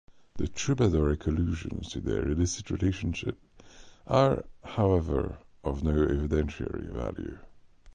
The troubadouric allusions to their illicit relationship are, however, of no evidentiary value.